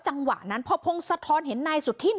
จังหวะนั้นพอพงศธรเห็นนายสุธิน